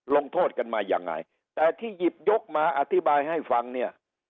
ลงโทษกันมายังไงแต่ที่หยิบยกมาอธิบายให้ฟังเนี่ย